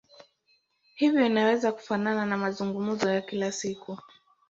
Hivyo inaweza kufanana na mazungumzo ya kila siku.